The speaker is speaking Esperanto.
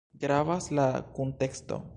Gravas la kunteksto.